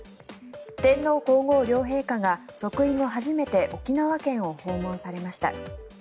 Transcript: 天皇・皇后両陛下が即位後初めて沖縄県を訪問されました。